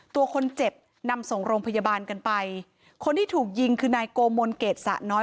ตัวคนเจ็บนำส่งโรงพยาบาลกันไปคนที่ถูกยิงคือนายโกมนเกรดสะน้อย